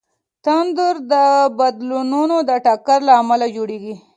تندر د بادلونو د ټکر له امله جوړېږي.